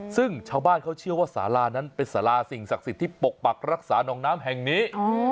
ซึ่งชาวบ้านเขาเชื่อว่าสารานั้นเป็นสาราสิ่งศักดิ์สิทธิ์ที่ปกปักรักษาน้องน้ำแห่งนี้